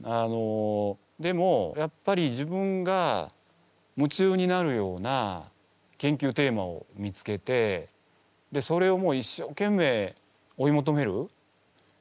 でもやっぱり自分が夢中になるような研究テーマを見つけてそれを一生懸命追い求める。